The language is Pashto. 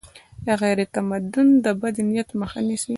غیرتمند د بد نیت مخه نیسي